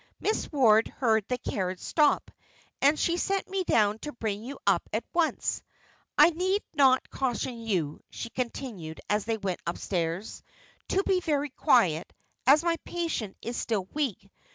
Miss Ward heard the carriage stop, and she sent me down to bring you up at once. I need not caution you," she continued, as they went upstairs, "to be very quiet, as my patient is still weak.